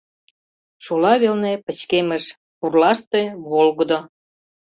Шола велне — пычкемыш, пурлаште — волгыдо.